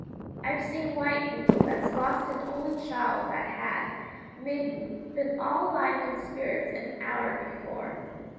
I've seen white people that's lost an only child that had, maybe, been all life and spirits an hour before.